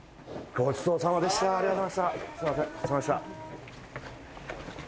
ごちそうさまでした。